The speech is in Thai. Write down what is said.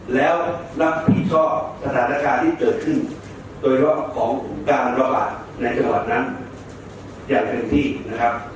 แล้วรักพี่ชอบสถานการณ์ที่เกิดขึ้นโดยรอบของภูมิการรอบาทในจังหวัดนั้นอย่างเช่นที่นะครับ